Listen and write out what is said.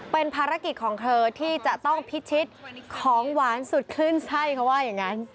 เป็นภารกิจของเธอที่จะต้องพิชิตของหวานสุดขึ้นใช่เขาว่าอย่างนั้น